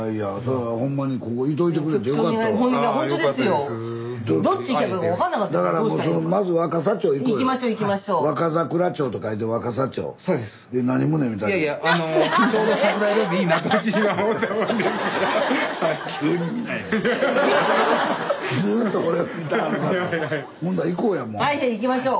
はい行きましょう。